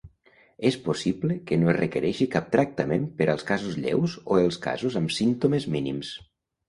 És possible que no es requereixi cap tractament per als casos lleus o els casos amb símptomes mínims.